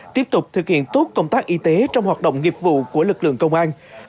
tiếp tục thực hiện tốt công tác y tế trong hoạt động nghiệp vụ của lực lượng công an